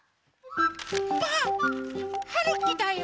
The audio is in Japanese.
ばあっ！はるきだよ！